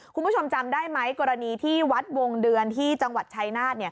คุณผู้ชมจำได้ไหมกรณีที่วัดวงเดือนที่จังหวัดชายนาฏเนี่ย